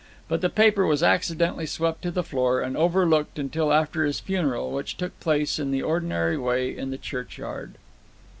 But the paper was accidentally swept to the floor, and overlooked till after his funeral, which took place in the ordinary way in the churchyard.